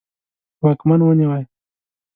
واکمن ونیوی.